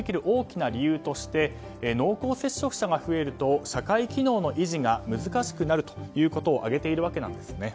大きな理由として濃厚接触者が増えると社会機能の維持が難しくなるということを挙げているわけです。